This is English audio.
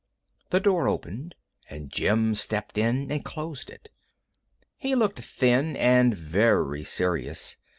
The door opened and Jim stepped in and closed it. He looked thin and very serious.